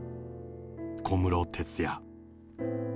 小室哲哉。